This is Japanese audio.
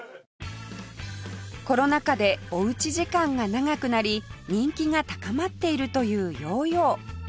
コロナ禍でおうち時間が長くなり人気が高まっているというヨーヨー